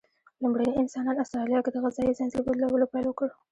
لومړني انسانان استرالیا کې د غذایي ځنځیر بدلولو پیل وکړ.